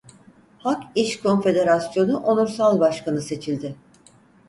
Hak-İş Konfederasyonu Onursal Başkanı seçildi.